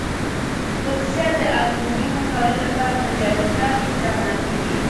بوکسیت د المونیمو تولید لپاره په جامیکا کې استعمالیږي.